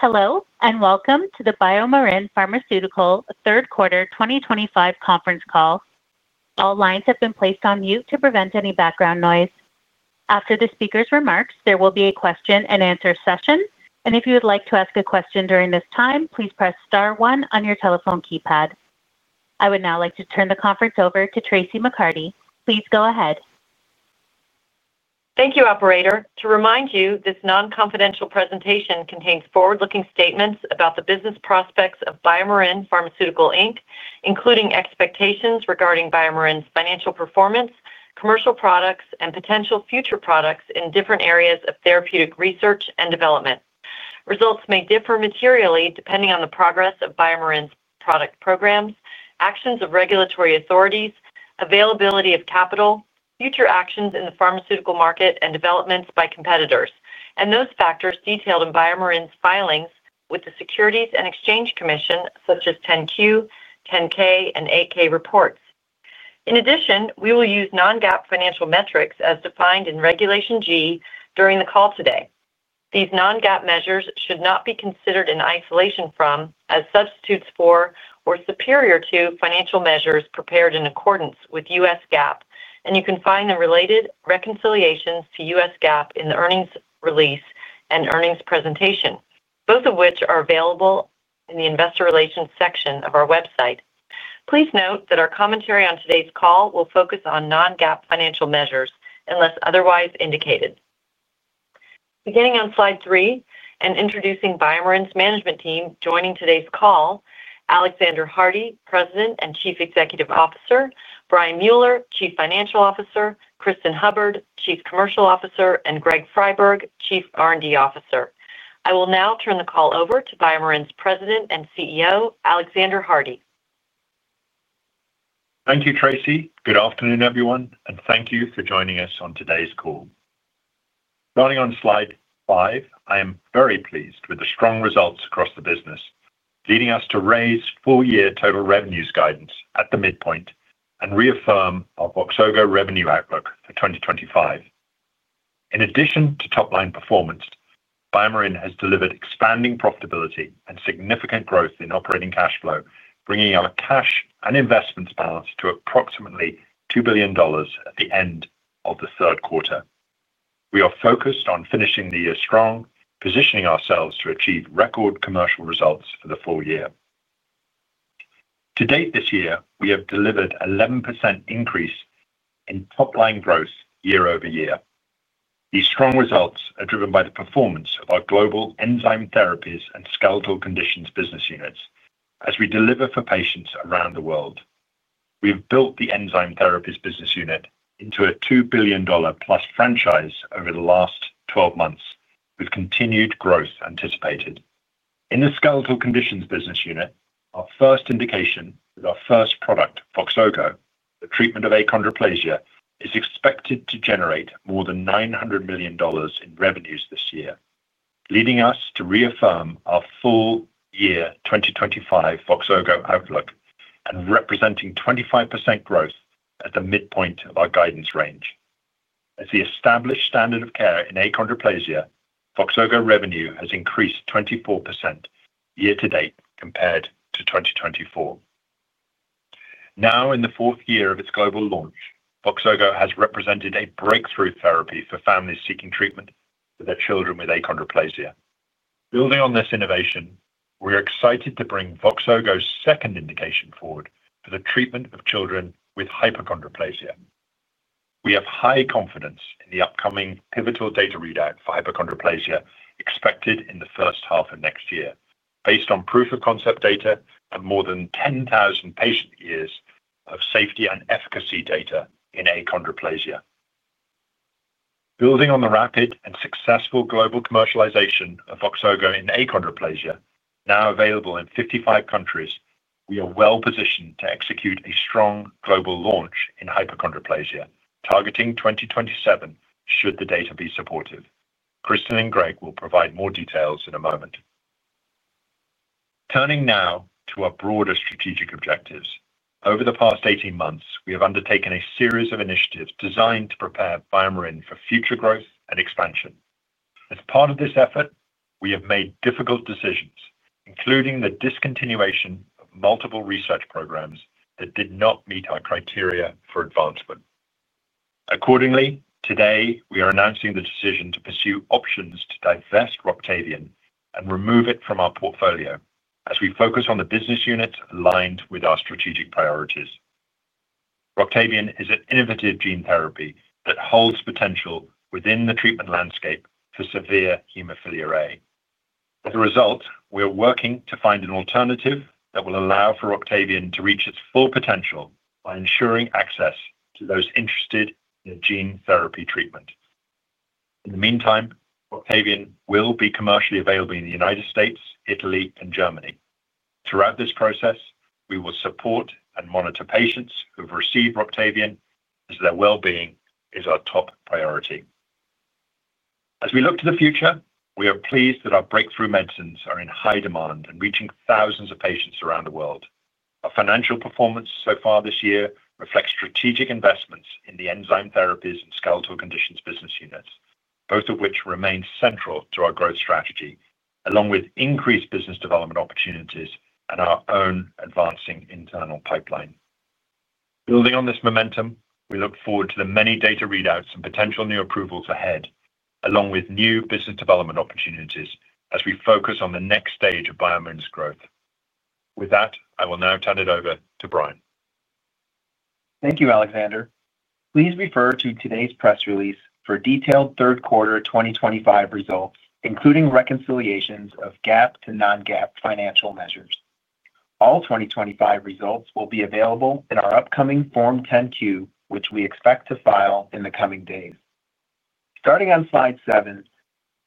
Hello, and welcome to the BioMarin Pharmaceutical third quarter 2025 conference call. All lines have been placed on mute to prevent any background noise. After the speaker's remarks, there will be a question and answer session, and if you would like to ask a question during this time, please press star one on your telephone keypad. I would now like to turn the conference over to Traci McCarty. Please go ahead. Thank you, Operator. To remind you, this non-confidential presentation contains forward-looking statements about the business prospects of BioMarin Pharmaceutical Inc., including expectations regarding BioMarin's financial performance, commercial products, and potential future products in different areas of therapeutic research and development. Results may differ materially depending on the progress of BioMarin's product programs, actions of regulatory authorities, availability of capital, future actions in the pharmaceutical market, and developments by competitors, and those factors detailed in BioMarin's filings with the Securities and Exchange Commission, such as 10-Q, 10-K, and 8-K reports. In addition, we will use non-GAAP financial metrics as defined in Regulation G during the call today. These non-GAAP measures should not be considered in isolation from, as substitutes for, or superior to financial measures prepared in accordance with U.S. GAAP, and you can find the related reconciliations to U.S. GAAP in the earnings release and earnings presentation, both of which are available in the Investor Relations section of our website. Please note that our commentary on today's call will focus on non-GAAP financial measures unless otherwise indicated. Beginning on slide three and introducing BioMarin's management team joining today's call: Alexander Hardy, President and Chief Executive Officer, Brian Mueller, Chief Financial Officer, Cristin Hubbard, Chief Commercial Officer, and Greg Friberg, Chief R&D Officer. I will now turn the call over to BioMarin's President and CEO, Alexander Hardy. Thank you, Traci. Good afternoon, everyone, and thank you for joining us on today's call. Starting on slide five, I am very pleased with the strong results across the business, leading us to raise full-year total revenues guidance at the midpoint and reaffirm our VOXZOGO revenue outlook for 2025. In addition to top-line performance, BioMarin has delivered expanding profitability and significant growth in operating cash flow, bringing our cash and investments balance to approximately $2 billion at the end of the third quarter. We are focused on finishing the year strong, positioning ourselves to achieve record commercial results for the full year. To date this year, we have delivered an 11% increase in top-line growth year over year. These strong results are driven by the performance of our global enzyme therapies and skeletal conditions business units as we deliver for patients around the world. We have built the enzyme therapies business unit into a $2 billion+ franchise over the last 12 months, with continued growth anticipated. In the skeletal conditions business unit, our first indication with our first product, VOXZOGO, the treatment of achondroplasia, is expected to generate more than $900 million in revenues this year, leading us to reaffirm our full-year 2025 VOXZOGO outlook and representing 25% growth at the midpoint of our guidance range. As the established standard of care in achondroplasia, VOXZOGO revenue has increased 24% year to date compared to 2024. Now, in the fourth year of its global launch, VOXZOGO has represented a breakthrough therapy for families seeking treatment for their children with achondroplasia. Building on this innovation, we are excited to bring VOXZOGO's second indication forward for the treatment of children with hypochondroplasia. We have high confidence in the upcoming pivotal data readout for hypochondroplasia expected in the first half of next year, based on proof-of-concept data and more than 10,000 patient years of safety and efficacy data in achondroplasia. Building on the rapid and successful global commercialization of VOXZOGO in achondroplasia, now available in 55 countries, we are well positioned to execute a strong global launch in hypochondroplasia, targeting 2027 should the data be supportive. Cristin and Greg will provide more details in a moment. Turning now to our broader strategic objectives, over the past 18 months, we have undertaken a series of initiatives designed to prepare BioMarin for future growth and expansion. As part of this effort, we have made difficult decisions, including the discontinuation of multiple research programs that did not meet our criteria for advancement. Accordingly, today we are announcing the decision to pursue options to divest ROCTAVIAN and remove it from our portfolio as we focus on the business units aligned with our strategic priorities. ROCTAVIAN is an innovative gene therapy that holds potential within the treatment landscape for severe hemophilia A. As a result, we are working to find an alternative that will allow for ROCTAVIAN to reach its full potential by ensuring access to those interested in a gene therapy treatment. In the meantime, ROCTAVIAN will be commercially available in the U.S., Italy, and Germany. Throughout this process, we will support and monitor patients who have received ROCTAVIAN, as their well-being is our top priority. As we look to the future, we are pleased that our breakthrough medicines are in high demand and reaching thousands of patients around the world. Our financial performance so far this year reflects strategic investments in the enzyme therapies and skeletal conditions business units, both of which remain central to our growth strategy, along with increased business development opportunities and our own advancing internal pipeline. Building on this momentum, we look forward to the many data readouts and potential new approvals ahead, along with new business development opportunities as we focus on the next stage of BioMarin's growth. With that, I will now turn it over to Brian. Thank you, Alexander. Please refer to today's press release for detailed third quarter 2025 results, including reconciliations of GAAP to non-GAAP financial measures. All 2025 results will be available in our upcoming Form 10-Q, which we expect to file in the coming days. Starting on slide seven,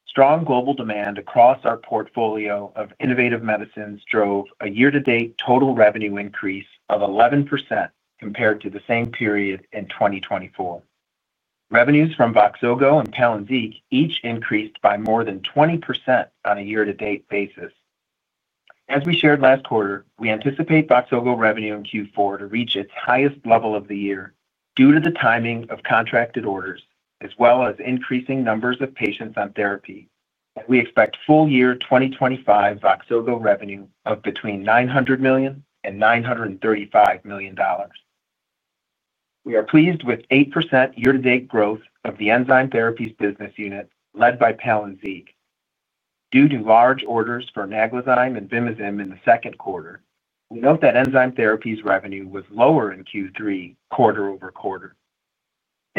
strong global demand across our portfolio of innovative medicines drove a year-to-date total revenue increase of 11% compared to the same period in 2024. Revenues from VOXZOGO and PALYNZIQ each increased by more than 20% on a year-to-date basis. As we shared last quarter, we anticipate VOXZOGO revenue in Q4 to reach its highest level of the year due to the timing of contracted orders, as well as increasing numbers of patients on therapy, and we expect full-year 2025 VOXZOGO revenue of between $900 million and $935 million. We are pleased with 8% year-to-date growth of the enzyme therapies business unit led by PALYNZIQ. Due to large orders for NAGLAZYME and VIMIZIM in the second quarter, we note that enzyme therapies revenue was lower in Q3, quarter over quarter.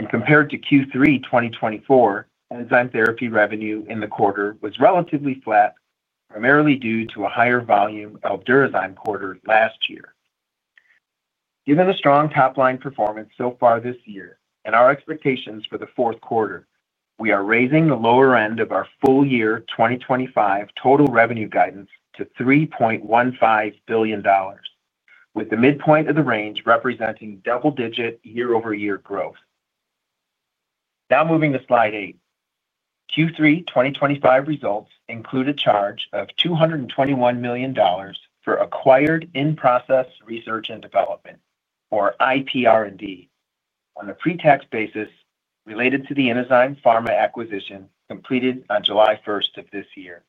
Compared to Q3 2024, enzyme therapy revenue in the quarter was relatively flat, primarily due to a higher volume of ALDURAZYME quartered last year. Given the strong top-line performance so far this year and our expectations for the fourth quarter, we are raising the lower end of our full-year 2025 total revenue guidance to $3.15 billion, with the midpoint of the range representing double-digit year-over-year growth. Now moving to slide eight, Q3 2025 results include a charge of $221 million for acquired in-process research and development, or IPR&D, on the pre-tax basis related to the Enzyme Pharma acquisition completed on July 1 of this year.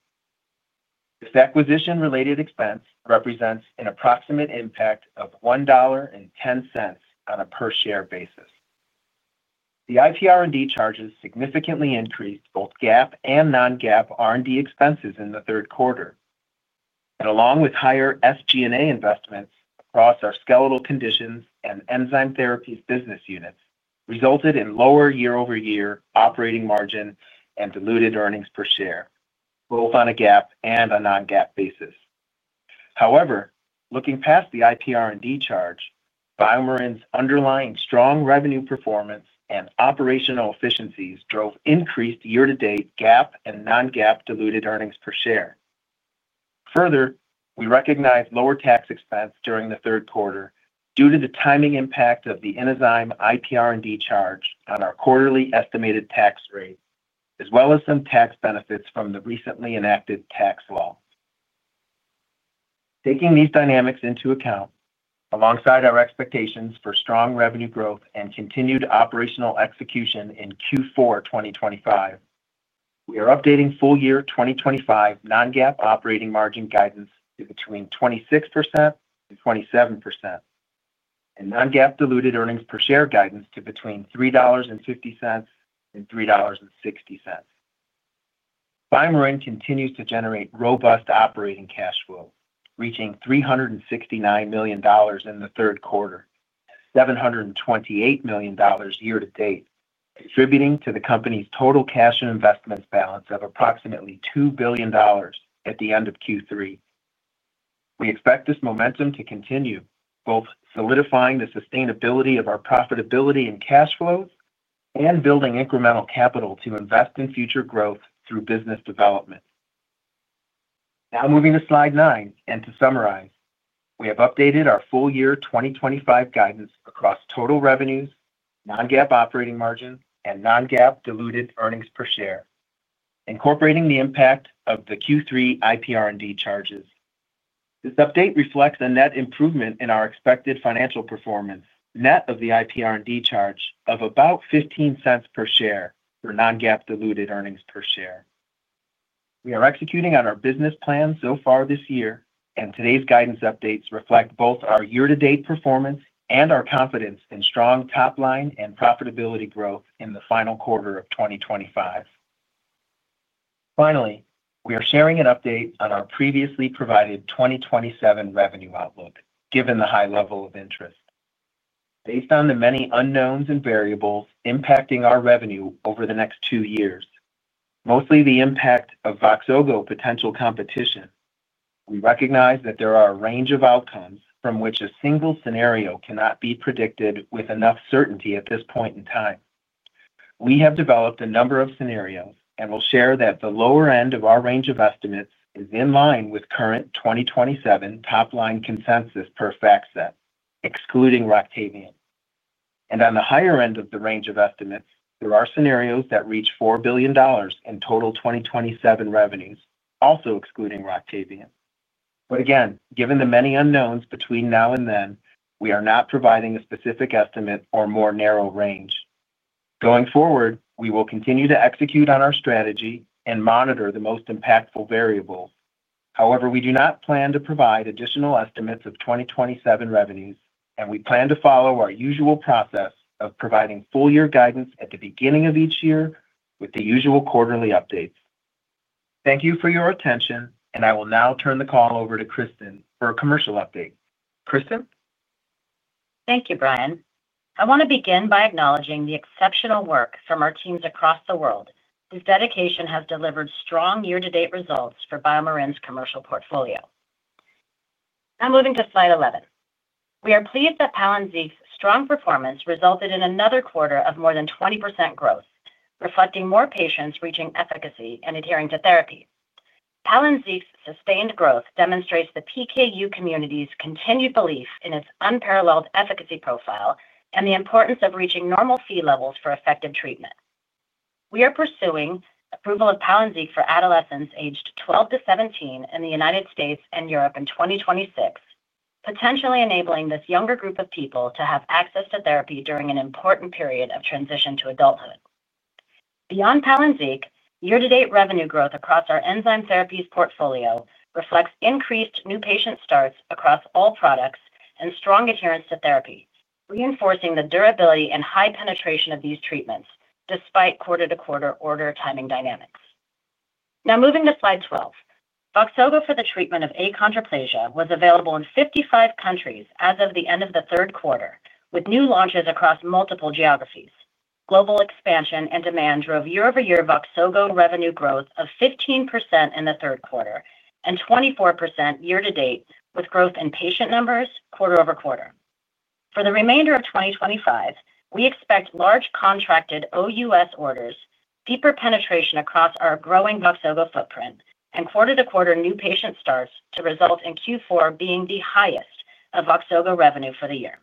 This acquisition-related expense represents an approximate impact of $1.10 on a per-share basis. The IPR&D charges significantly increased both GAAP and non-GAAP R&D expenses in the third quarter, and along with higher SG&A investments across our skeletal conditions and enzyme therapies business units, resulted in lower year-over-year operating margin and diluted earnings per share, both on a GAAP and a non-GAAP basis. However, looking past the IPR&D charge, BioMarin's underlying strong revenue performance and operational efficiencies drove increased year-to-date GAAP and non-GAAP diluted earnings per share. Further, we recognize lower tax expense during the third quarter due to the timing impact of the Enzyme IPR&D charge on our quarterly estimated tax rate, as well as some tax benefits from the recently enacted tax law. Taking these dynamics into account, alongside our expectations for strong revenue growth and continued operational execution in Q4 2025, we are updating full-year 2025 non-GAAP operating margin guidance to between 26% and 27%, and non-GAAP diluted earnings per share guidance to between $3.50 and $3.60. BioMarin continues to generate robust operating cash flow, reaching $369 million in the third quarter and $728 million year to date, contributing to the company's total cash and investments balance of approximately $2 billion at the end of Q3. We expect this momentum to continue, both solidifying the sustainability of our profitability and cash flows and building incremental capital to invest in future growth through business development. Now moving to slide nine, and to summarize, we have updated our full-year 2025 guidance across total revenues, non-GAAP operating margin, and non-GAAP diluted earnings per share, incorporating the impact of the Q3 IPR&D charges. This update reflects a net improvement in our expected financial performance, net of the IPR&D charge of about $0.15 per share for non-GAAP diluted earnings per share. We are executing on our business plan so far this year, and today's guidance updates reflect both our year-to-date performance and our confidence in strong top-line and profitability growth in the final quarter of 2025. Finally, we are sharing an update on our previously provided 2027 revenue outlook, given the high level of interest. Based on the many unknowns and variables impacting our revenue over the next two years, mostly the impact of VOXZOGO potential competition, we recognize that there are a range of outcomes from which a single scenario cannot be predicted with enough certainty at this point in time. We have developed a number of scenarios and will share that the lower end of our range of estimates is in line with current 2027 top-line consensus per FactSet, excluding ROCTAVIAN. On the higher end of the range of estimates, there are scenarios that reach $4 billion in total 2027 revenues, also excluding ROCTAVIAN. Again, given the many unknowns between now and then, we are not providing a specific estimate or more narrow range. Going forward, we will continue to execute on our strategy and monitor the most impactful variables. However, we do not plan to provide additional estimates of 2027 revenues, and we plan to follow our usual process of providing full-year guidance at the beginning of each year with the usual quarterly updates. Thank you for your attention, and I will now turn the call over to Cristin for a commercial update. Cristin? Thank you, Brian. I want to begin by acknowledging the exceptional work from our teams across the world, whose dedication has delivered strong year-to-date results for BioMarin's commercial portfolio. Now moving to slide 11, we are pleased that PALYNZIQ's strong performance resulted in another quarter of more than 20% growth, reflecting more patients reaching efficacy and adhering to therapies. PALYNZIQ's sustained growth demonstrates the PKU community's continued belief in its unparalleled efficacy profile and the importance of reaching normal Phe levels for effective treatment. We are pursuing approval of PALYNZIQ for adolescents aged 12 to 17 in the United States and Europe in 2026, potentially enabling this younger group of people to have access to therapy during an important period of transition to adulthood. Beyond PALYNZIQ, year-to-date revenue growth across our enzyme therapies portfolio reflects increased new patient starts across all products and strong adherence to therapy, reinforcing the durability and high penetration of these treatments despite quarter-to-quarter order timing dynamics. Now moving to slide 12, VOXZOGO for the treatment of achondroplasia was available in 55 countries as of the end of the third quarter, with new launches across multiple geographies. Global expansion and demand drove year-over-year VOXZOGO revenue growth of 15% in the third quarter and 24% year to date, with growth in patient numbers quarter over quarter. For the remainder of 2025, we expect large contracted OUS orders, deeper penetration across our growing VOXZOGO footprint, and quarter-to-quarter new patient starts to result in Q4 being the highest of VOXZOGO revenue for the year.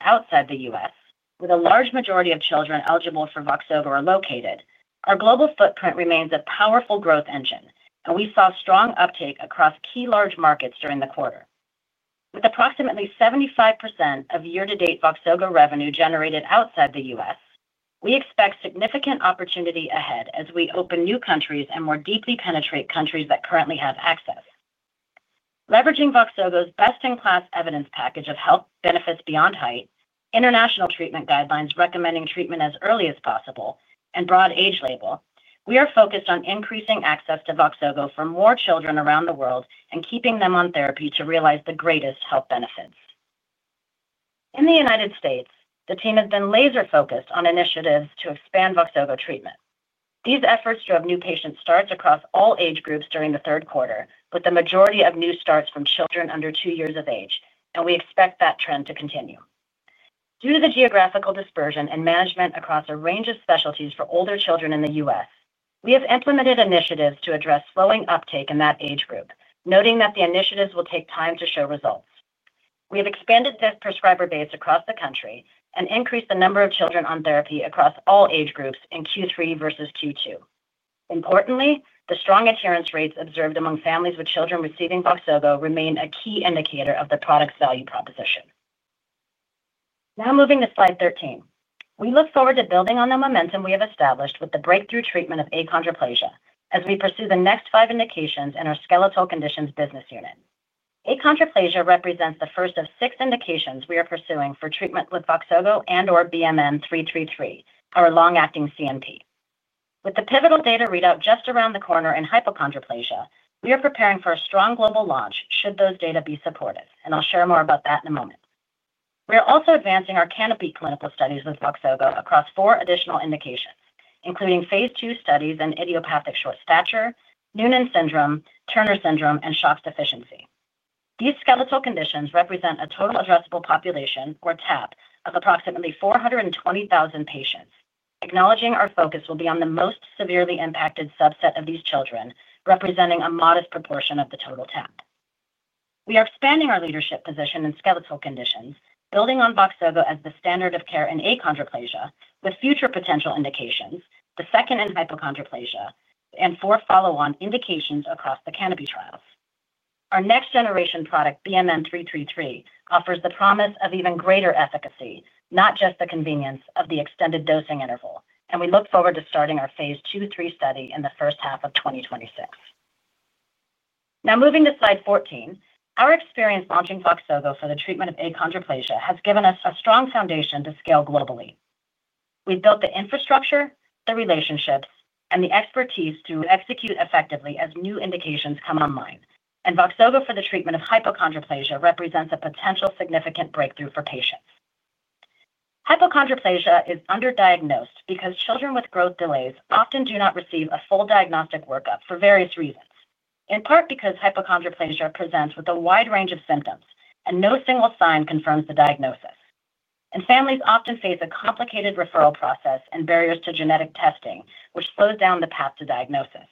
Outside the U.S., with a large majority of children eligible for VOXZOGO located, our global footprint remains a powerful growth engine, and we saw strong uptake across key large markets during the quarter. With approximately 75% of year-to-date VOXZOGO revenue generated outside the U.S., we expect significant opportunity ahead as we open new countries and more deeply penetrate countries that currently have access. Leveraging VOXZOGO's best-in-class evidence package of health benefits beyond height, international treatment guidelines recommending treatment as early as possible, and broad age label, we are focused on increasing access to VOXZOGO for more children around the world and keeping them on therapy to realize the greatest health benefits. In the United States, the team has been laser-focused on initiatives to expand VOXZOGO treatment. These efforts drove new patient starts across all age groups during the third quarter, with the majority of new starts from children under two years of age, and we expect that trend to continue. Due to the geographical dispersion and management across a range of specialties for older children in the U.S., we have implemented initiatives to address slowing uptake in that age group, noting that the initiatives will take time to show results. We have expanded this prescriber base across the country and increased the number of children on therapy across all age groups in Q3 versus Q2. Importantly, the strong adherence rates observed among families with children receiving VOXZOGO remain a key indicator of the product's value proposition. Now moving to slide 13, we look forward to building on the momentum we have established with the breakthrough treatment of achondroplasia as we pursue the next five indications in our skeletal conditions business unit. Achondroplasia represents the first of six indications we are pursuing for treatment with VOXZOGO and/or BMN-333, our long-acting CNP. With the pivotal data readout just around the corner in hypochondroplasia, we are preparing for a strong global launch should those data be supportive, and I'll share more about that in a moment. We are also advancing our canopy clinical studies with VOXZOGO across four additional indications, including phase II studies in idiopathic short stature, Noonan syndrome, Turner syndrome, and Schatz deficiency. These skeletal conditions represent a total addressable population, or TAP, of approximately 420,000 patients, acknowledging our focus will be on the most severely impacted subset of these children, representing a modest proportion of the total TAP. We are expanding our leadership position in skeletal conditions, building on VOXZOGO as the standard of care in achondroplasia, with future potential indications, the second in hypochondroplasia, and four follow-on indications across the canopy trials. Our next-generation product, BMN-333, offers the promise of even greater efficacy, not just the convenience of the extended dosing interval, and we look forward to starting our phase II/III study in the first half of 2026. Now moving to slide 14, our experience launching VOXZOGO for the treatment of achondroplasia has given us a strong foundation to scale globally. We've built the infrastructure, the relationships, and the expertise to execute effectively as new indications come online, and VOXZOGO for the treatment of hypochondroplasia represents a potential significant breakthrough for patients. Hypochondroplasia is underdiagnosed because children with growth delays often do not receive a full diagnostic workup for various reasons, in part because hypochondroplasia presents with a wide range of symptoms and no single sign confirms the diagnosis. Families often face a complicated referral process and barriers to genetic testing, which slows down the path to diagnosis.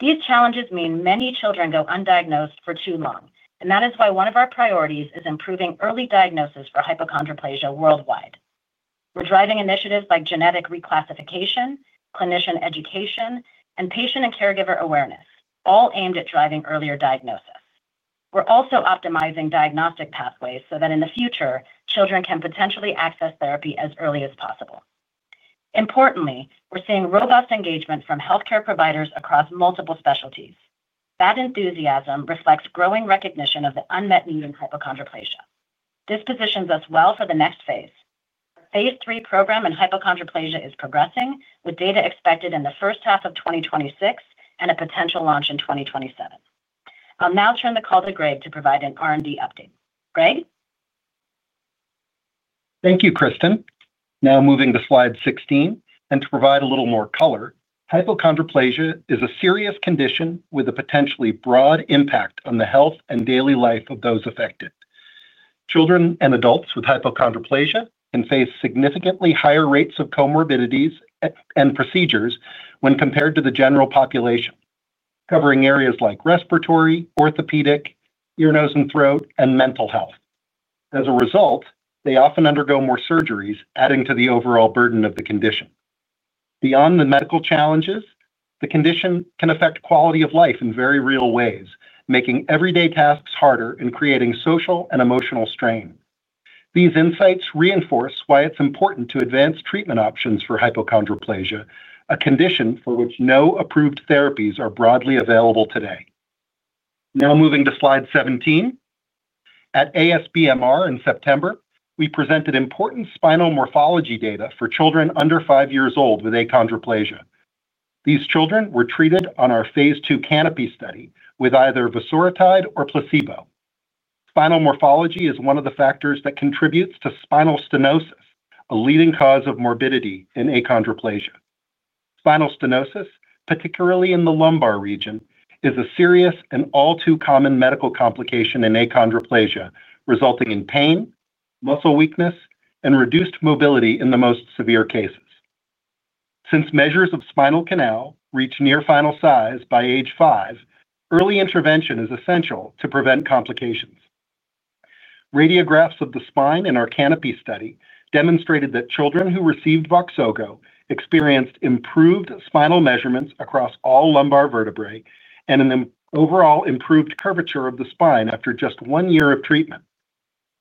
These challenges mean many children go undiagnosed for too long, and that is why one of our priorities is improving early diagnosis for hypochondroplasia worldwide. We're driving initiatives like genetic reclassification, clinician education, and patient and caregiver awareness, all aimed at driving earlier diagnosis. We're also optimizing diagnostic pathways so that in the future, children can potentially access therapy as early as possible. Importantly, we're seeing robust engagement from healthcare providers across multiple specialties. That enthusiasm reflects growing recognition of the unmet need in hypochondroplasia. This positions us well for the next phase. Our phase III program in hypochondroplasia is progressing, with data expected in the first half of 2026 and a potential launch in 2027. I'll now turn the call to Greg to provide an R&D update. Greg? Thank you, Cristin. Now moving to slide 16, and to provide a little more color, hypochondroplasia is a serious condition with a potentially broad impact on the health and daily life of those affected. Children and adults with hypochondroplasia can face significantly higher rates of comorbidities and procedures when compared to the general population, covering areas like respiratory, orthopedic, ear, nose, and throat, and mental health. As a result, they often undergo more surgeries, adding to the overall burden of the condition. Beyond the medical challenges, the condition can affect quality of life in very real ways, making everyday tasks harder and creating social and emotional strain. These insights reinforce why it's important to advance treatment options for hypochondroplasia, a condition for which no approved therapies are broadly available today. Now moving to slide 17, at ASBMR in September, we presented important spinal morphology data for children under five years old with achondroplasia. These children were treated on our phase II canopy study with either vosoritide or placebo. Spinal morphology is one of the factors that contributes to spinal stenosis, a leading cause of morbidity in achondroplasia. Spinal stenosis, particularly in the lumbar region, is a serious and all-too-common medical complication in achondroplasia, resulting in pain, muscle weakness, and reduced mobility in the most severe cases. Since measures of spinal canal reach near final size by age five, early intervention is essential to prevent complications. Radiographs of the spine in our canopy study demonstrated that children who received VOXZOGO experienced improved spinal measurements across all lumbar vertebrae and an overall improved curvature of the spine after just one year of treatment.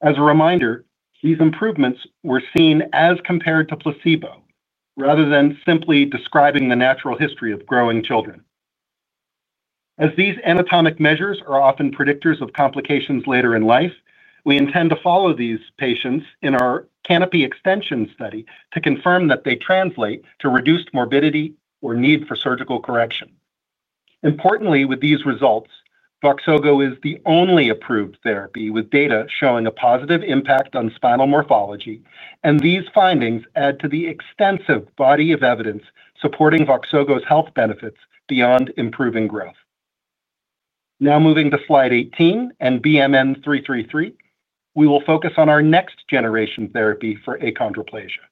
As a reminder, these improvements were seen as compared to placebo, rather than simply describing the natural history of growing children. As these anatomic measures are often predictors of complications later in life, we intend to follow these patients in our canopy extension study to confirm that they translate to reduced morbidity or need for surgical correction. Importantly, with these results, VOXZOGO is the only approved therapy with data showing a positive impact on spinal morphology, and these findings add to the extensive body of evidence supporting VOXZOGO's health benefits beyond improving growth. Now moving to slide 18 and BMN-333, we will focus on our next-generation therapy for achondroplasia.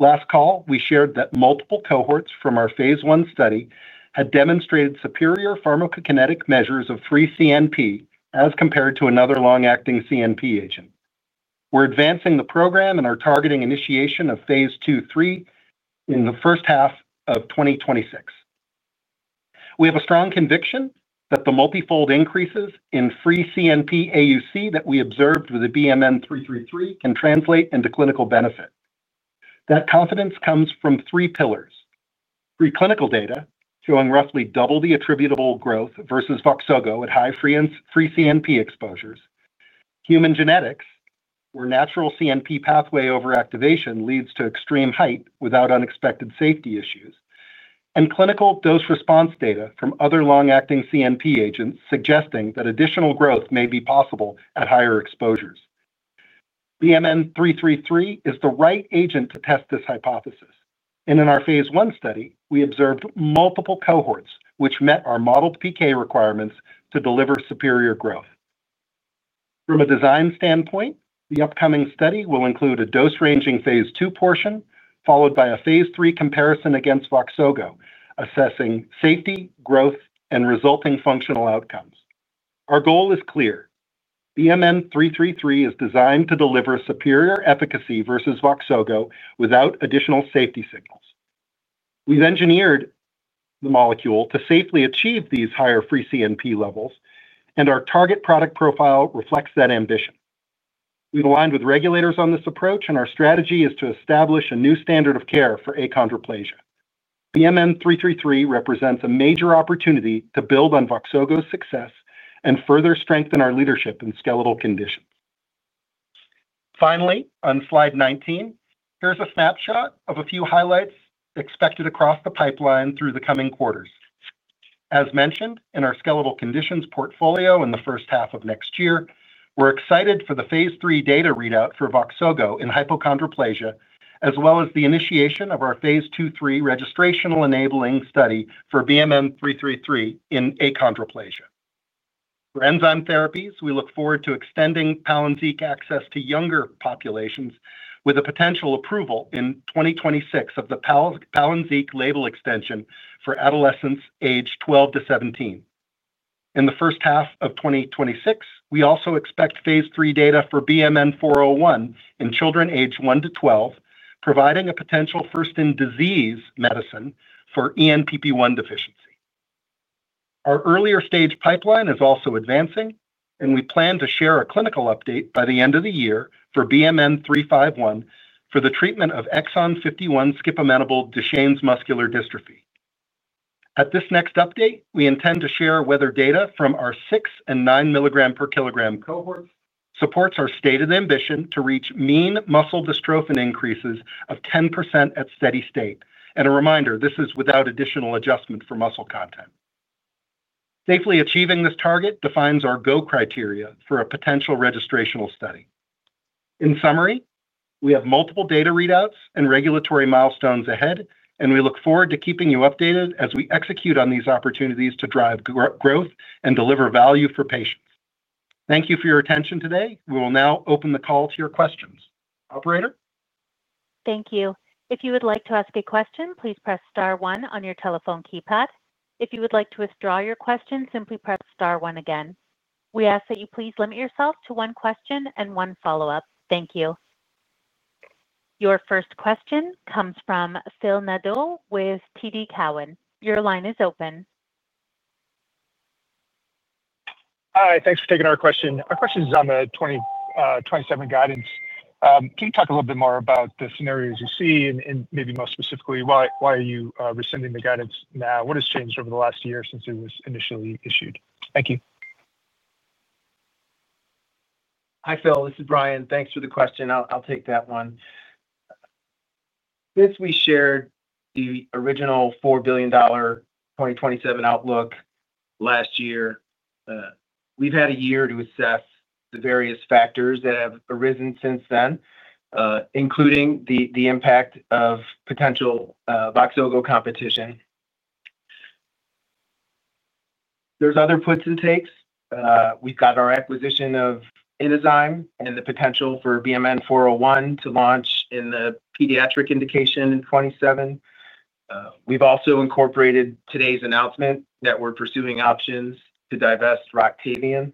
Last call, we shared that multiple cohorts from our phase I study had demonstrated superior pharmacokinetic measures of free CNP as compared to another long-acting CNP agent. We're advancing the program and are targeting initiation of phase II/III in the first half of 2026. We have a strong conviction that the multifold increases in free CNP AUC that we observed with the BMN-333 can translate into clinical benefit. That confidence comes from three pillars: preclinical data showing roughly double the attributable growth versus VOXZOGO at high free CNP exposures, human genetics, where natural CNP pathway overactivation leads to extreme height without unexpected safety issues, and clinical dose response data from other long-acting CNP agents suggesting that additional growth may be possible at higher exposures. BMN-333 is the right agent to test this hypothesis, and in our phase I study, we observed multiple cohorts which met our model PK requirements to deliver superior growth. From a design standpoint, the upcoming study will include a dose-ranging phase II portion followed by a phase III comparison against VOXZOGO, assessing safety, growth, and resulting functional outcomes. Our goal is clear: BMN-333 is designed to deliver superior efficacy versus VOXZOGO without additional safety signals. We've engineered the molecule to safely achieve these higher free CNP levels, and our target product profile reflects that ambition. We've aligned with regulators on this approach, and our strategy is to establish a new standard of care for achondroplasia. BMN-333 represents a major opportunity to build on VOXZOGO's success and further strengthen our leadership in skeletal conditions. Finally, on slide 19, here's a snapshot of a few highlights expected across the pipeline through the coming quarters. As mentioned in our skeletal conditions portfolio in the first half of next year, we're excited for the phase III data readout for VOXZOGO in hypochondroplasia, as well as the initiation of our phase II/III registrational enabling study for BMN-333 in achondroplasia. For enzyme therapies, we look forward to extending PALYNZIQ access to younger populations with a potential approval in 2026 of the PALYNZIQ label extension for adolescents age 12 to 17. In the first half of 2026, we also expect phase III data for BMN-401 in children age 1 to 12, providing a potential first-in-disease medicine for ENPP1 deficiency. Our earlier stage pipeline is also advancing, and we plan to share a clinical update by the end of the year for BMN-351 for the treatment of Exon 51 skip-amendable Duchenne's muscular dystrophy. At this next update, we intend to share whether data from our six and nine mg per kilogram cohorts supports our stated ambition to reach mean muscle dystrophin increases of 10% at steady state, and a reminder, this is without additional adjustment for muscle content. Safely achieving this target defines our GO criteria for a potential registrational study. In summary, we have multiple data readouts and regulatory milestones ahead, and we look forward to keeping you updated as we execute on these opportunities to drive growth and deliver value for patients. Thank you for your attention today. We will now open the call to your questions. Operator? Thank you. If you would like to ask a question, please press star one on your telephone keypad. If you would like to withdraw your question, simply press star one again. We ask that you please limit yourself to one question and one follow-up. Thank you. Your first question comes from Phil Nadeau with TD Cowen. Your line is open. Hi, thanks for taking our question. Our question is on the 2027 guidance. Can you talk a little bit more about the scenarios you see and maybe most specifically, why are you rescinding the guidance now? What has changed over the last year since it was initially issued? Thank you. Hi, Phil. This is Brian. Thanks for the question. I'll take that one. Since we shared the original $4 billion 2027 outlook last year, we've had a year to assess the various factors that have arisen since then, including the impact of potential VOXZOGO competition. There are other puts and takes. We've got our acquisition of Enzyme and the potential for BMN-401 to launch in the pediatric indication in 2027. We've also incorporated today's announcement that we're pursuing options to divest ROCTAVIAN.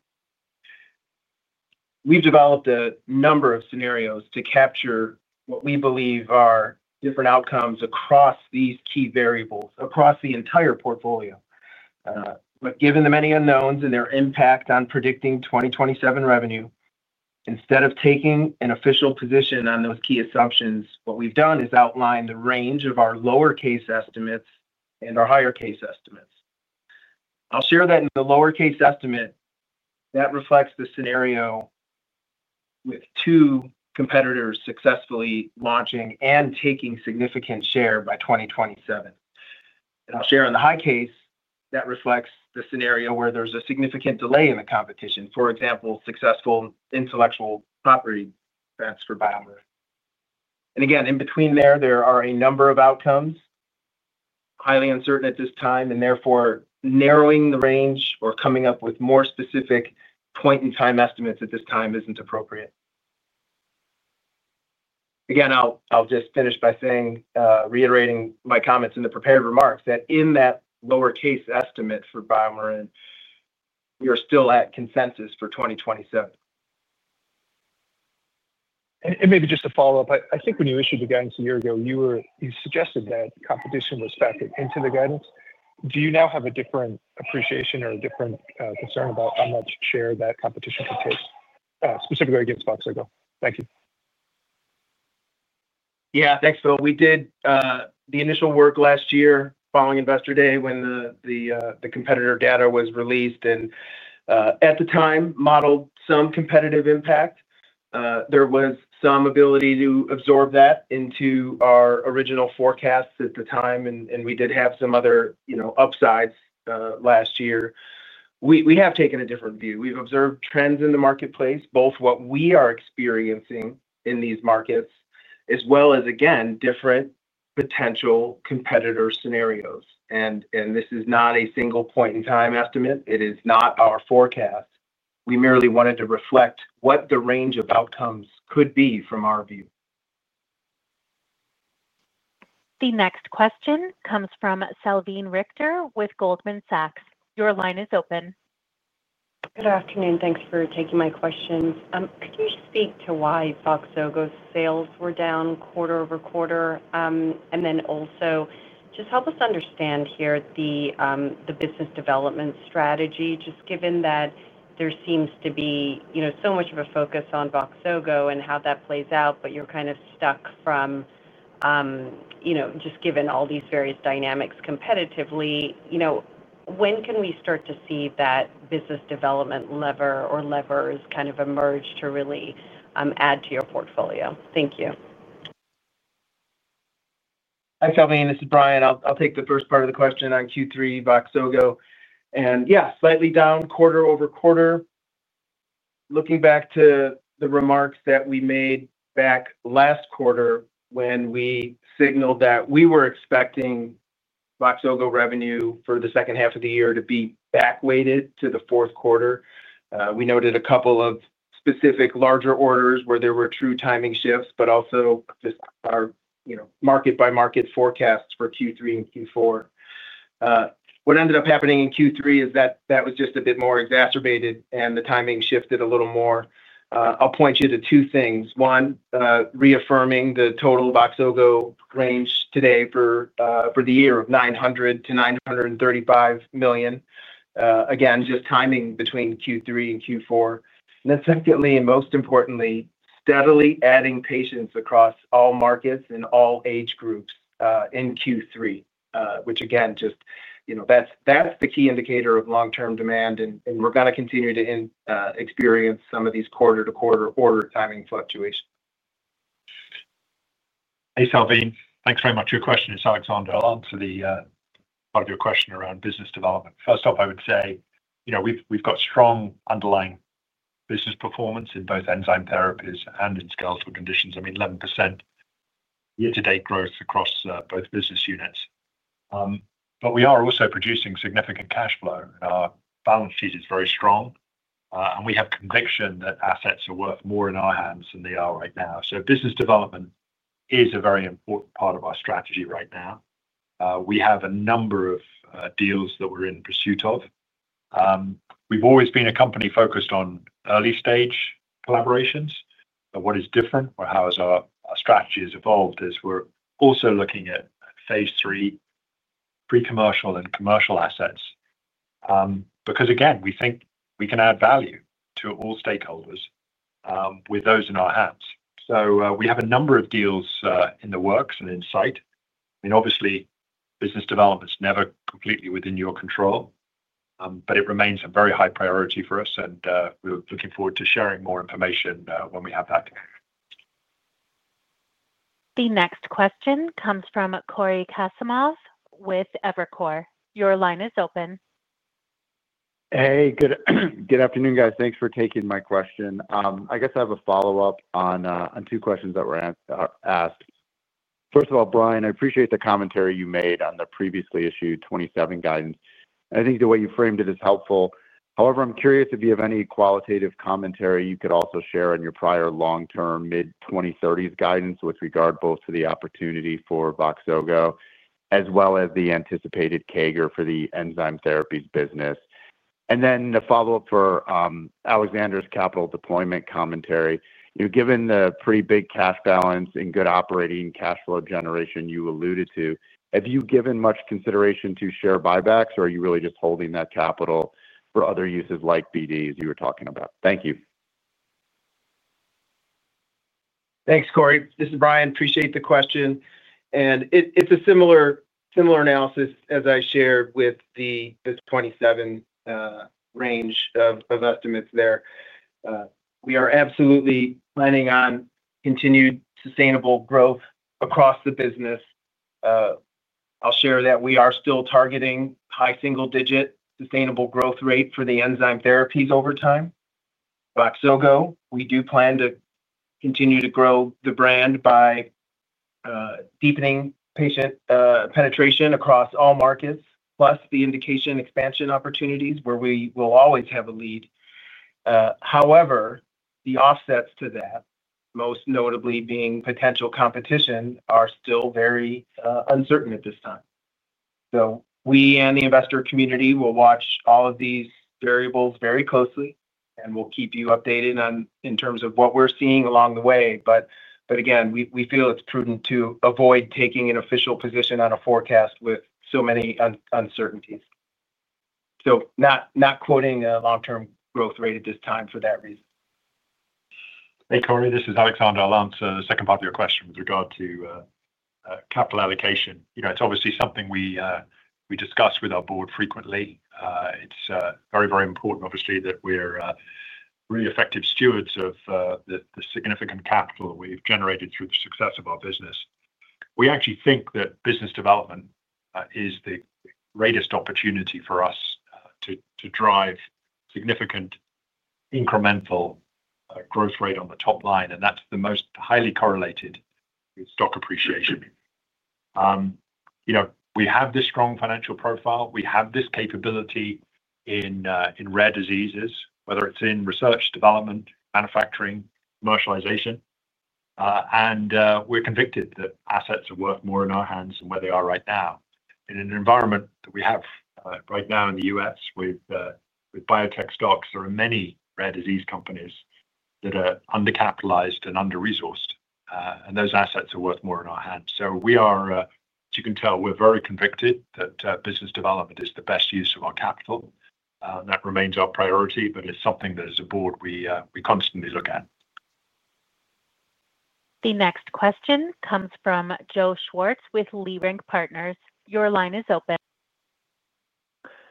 We've developed a number of scenarios to capture what we believe are different outcomes across these key variables across the entire portfolio. Given the many unknowns and their impact on predicting 2027 revenue, instead of taking an official position on those key assumptions, what we've done is outline the range of our lower case estimates and our higher case estimates. I'll share that in the lower case estimate. That reflects the scenario with two competitors successfully launching and taking significant share by 2027. I'll share on the high case. That reflects the scenario where there's a significant delay in the competition. For example, successful intellectual property events for BioMarin. In between there, there are a number of outcomes. Highly uncertain at this time, and therefore narrowing the range or coming up with more specific point-in-time estimates at this time isn't appropriate. I'll just finish by saying, reiterating my comments in the prepared remarks that in that lower case estimate for BioMarin, we are still at consensus for 2027. Maybe just to follow up, I think when you issued the guidance a year ago, you suggested that competition was factored into the guidance. Do you now have a different appreciation or a different concern about how much share that competition could take, specifically against VOXZOGO? Thank you. Yeah, thanks, Phil. We did the initial work last year following Investor Day when the competitor data was released, and at the time, modeled some competitive impact. There was some ability to absorb that into our original forecasts at the time, and we did have some other upsides last year. We have taken a different view. We've observed trends in the marketplace, both what we are experiencing in these markets, as well as different potential competitor scenarios. This is not a single point-in-time estimate. It is not our forecast. We merely wanted to reflect what the range of outcomes could be from our view. The next question comes from Salveen Richter with Goldman Sachs. Your line is open. Good afternoon. Thanks for taking my questions. Could you speak to why VOXZOGO's sales were down quarter over quarter? Also, just help us understand here the business development strategy, just given that there seems to be so much of a focus on VOXZOGO and how that plays out, but you're kind of stuck from just given all these various dynamics competitively. You know, when can we start to see that business development lever or levers kind of emerge to really add to your portfolio? Thank you. Hi, Salveen. This is Brian. I'll take the first part of the question on Q3 VOXZOGO. Yeah, slightly down quarter over quarter. Looking back to the remarks that we made last quarter when we signaled that we were expecting VOXZOGO revenue for the second half of the year to be backweighted to the fourth quarter, we noted a couple of specific larger orders where there were true timing shifts, but also just our market-by-market forecasts for Q3 and Q4. What ended up happening in Q3 is that was just a bit more exacerbated, and the timing shifted a little more. I'll point you to two things. One, reaffirming the total VOXZOGO range today for the year of $900 million-$935 million. Again, just timing between Q3 and Q4. Most importantly, steadily adding patients across all markets and all age groups in Q3, which again, that's the key indicator of long-term demand, and we're going to continue to experience some of these quarter-to-quarter order timing fluctuations. Hey, Salveen. Thanks very much. Your question is, Alexander. I'll answer part of your question around business development. First off, I would say, you know, we've got strong underlying business performance in both enzyme therapies and in skeletal conditions. I mean, 11% year-to-date growth across both business units. We are also producing significant cash flow, and our balance sheet is very strong. We have conviction that assets are worth more in our hands than they are right now. Business development is a very important part of our strategy right now. We have a number of deals that we're in pursuit of. We've always been a company focused on early-stage collaborations. What is different or how our strategy has evolved is we're also looking at phase III, pre-commercial and commercial assets, because, again, we think we can add value to all stakeholders with those in our hands. We have a number of deals in the works and in sight. Obviously, business development's never completely within your control, but it remains a very high priority for us, and we're looking forward to sharing more information when we have that. The next question comes from Cory Kasimov with Evercore. Your line is open. Hey, good afternoon, guys. Thanks for taking my question. I guess I have a follow-up on two questions that were asked. First of all, Brian, I appreciate the commentary you made on the previously issued 2027 guidance. I think the way you framed it is helpful. However, I'm curious if you have any qualitative commentary you could also share on your prior long-term mid-2030s guidance with regard both to the opportunity for VOXZOGO, as well as the anticipated CAGR for the enzyme therapies business. A follow-up for Alexander's capital deployment commentary. You know, given the pretty big cash balance and good operating cash flow generation you alluded to, have you given much consideration to share buybacks, or are you really just holding that capital for other uses like BDs you were talking about? Thank you. Thanks, Cory. This is Brian. Appreciate the question. It's a similar analysis as I shared with the 2027 range of estimates there. We are absolutely planning on continued sustainable growth across the business. I'll share that we are still targeting high single-digit sustainable growth rate for the enzyme therapies over time. VOXZOGO, we do plan to continue to grow the brand by deepening patient penetration across all markets, plus the indication expansion opportunities where we will always have a lead. However, the offsets to that, most notably being potential competition, are still very uncertain at this time. We and the investor community will watch all of these variables very closely, and we'll keep you updated in terms of what we're seeing along the way. Again, we feel it's prudent to avoid taking an official position on a forecast with so many uncertainties. Not quoting a long-term growth rate at this time for that reason. Hey, Cory. This is Alexander Hardy, the second part of your question with regard to capital allocation. It's obviously something we discuss with our board frequently. It's very, very important, obviously, that we're really effective stewards of the significant capital that we've generated through the success of our business. We actually think that business development is the greatest opportunity for us to drive significant incremental growth rate on the top line, and that's the most highly correlated with stock appreciation. We have this strong financial profile. We have this capability in rare diseases, whether it's in research, development, manufacturing, commercialization. We're convicted that assets are worth more in our hands than where they are right now. In an environment that we have right now in the U.S., with biotech stocks, there are many rare disease companies that are undercapitalized and under-resourced, and those assets are worth more in our hands. We are, as you can tell, very convicted that business development is the best use of our capital. That remains our priority, but it's something that as a board we constantly look at. The next question comes from Joe Schwartz with Leerink Partners. Your line is open.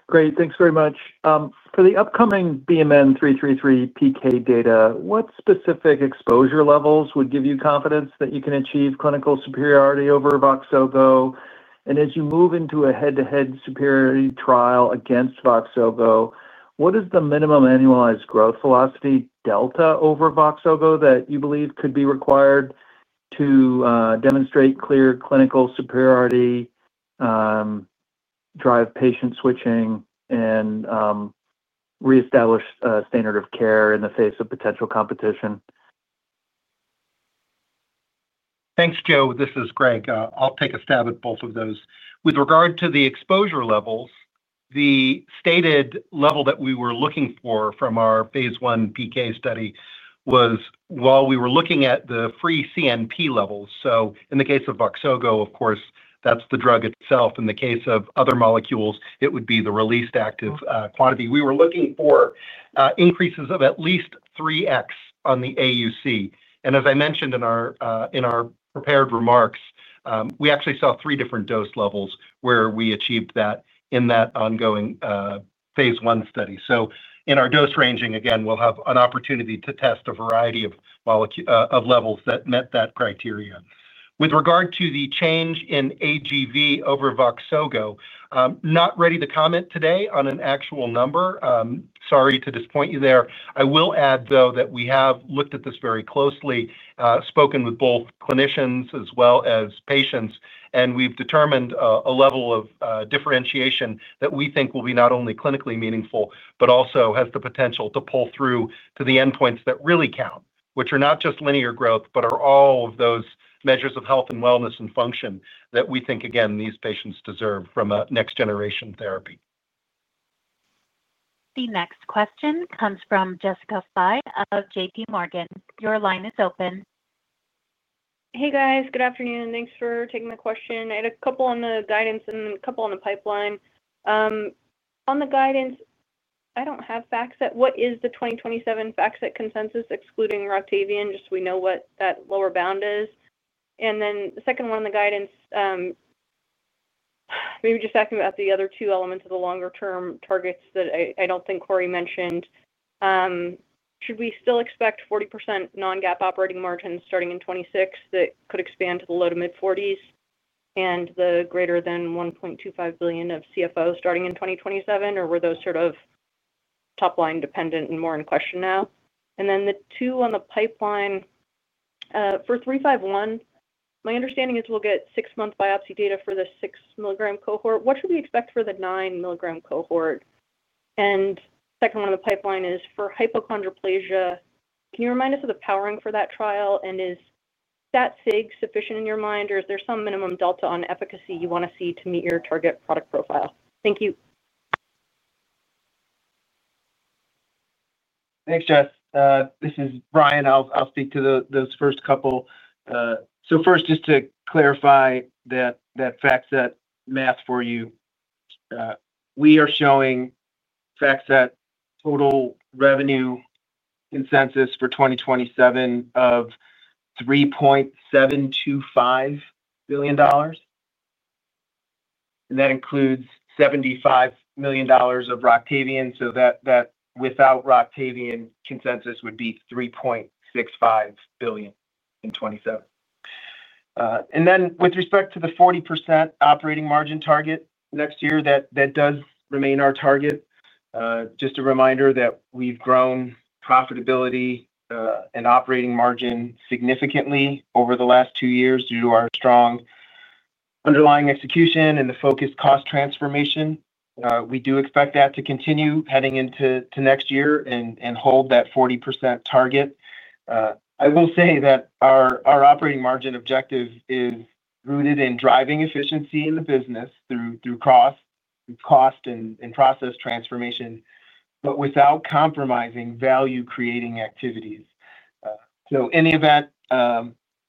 Great. Thanks very much. For the upcoming BMN-333 PK data, what specific exposure levels would give you confidence that you can achieve clinical superiority over VOXZOGO? As you move into a head-to-head superiority trial against VOXZOGO, what is the minimum annualized growth velocity delta over VOXZOGO that you believe could be required to demonstrate clear clinical superiority, drive patient switching, and reestablish a standard of care in the face of potential competition? Thanks, Joe. This is Greg. I'll take a stab at both of those. With regard to the exposure levels, the stated level that we were looking for from our phase I PK study was while we were looking at the free CNP levels. In the case of VOXZOGO, of course, that's the drug itself. In the case of other molecules, it would be the released active quantity. We were looking for increases of at least 3x on the AUC. As I mentioned in our prepared remarks, we actually saw three different dose levels where we achieved that in that ongoing phase I study. In our dose ranging, again, we'll have an opportunity to test a variety of levels that met that criteria. With regard to the change in AGV over VOXZOGO, not ready to comment today on an actual number. Sorry to disappoint you there. I will add, though, that we have looked at this very closely, spoken with both clinicians as well as patients, and we've determined a level of differentiation that we think will be not only clinically meaningful but also has the potential to pull through to the endpoints that really count, which are not just linear growth but are all of those measures of health and wellness and function that we think, again, these patients deserve from a next-generation therapy. The next question comes from Jessica Fye of JPMorgan. Your line is open. Hey, guys. Good afternoon. Thanks for taking the question. I had a couple on the guidance and a couple on the pipeline. On the guidance, I don't have FactSet. What is the 2027 FactSet consensus excluding ROCTAVIAN, just so we know what that lower bound is? The second one on the guidance, maybe just talking about the other two elements of the longer-term targets that I don't think Cory mentioned. Should we still expect 40% non-GAAP operating margins starting in 2026 that could expand to the low to mid-40% and the greater than $1.25 billion of CFOs starting in 2027, or were those sort of top-line dependent and more in question now? The two on the pipeline for 351, my understanding is we'll get six-month biopsy data for the 6-mg cohort. What should we expect for the 9-mg cohort? The second one on the pipeline is for hypochondroplasia, can you remind us of the powering for that trial? Is that SIG sufficient in your mind, or is there some minimum delta on efficacy you want to see to meet your target product profile? Thank you. Thanks, Jess. This is Brian. I'll speak to those first couple. First, just to clarify that FactSet math for you, we are showing FactSet total revenue consensus for 2027 of $3.725 billion. That includes $75 million of ROCTAVIAN, so without ROCTAVIAN, consensus would be $3.65 billion in 2027. With respect to the 40% operating margin target next year, that does remain our target. Just a reminder that we've grown profitability and operating margin significantly over the last two years due to our strong underlying execution and the focused cost transformation. We do expect that to continue heading into next year and hold that 40% target. I will say that our operating margin objective is rooted in driving efficiency in the business through cost and process transformation, without compromising value-creating activities. In the event,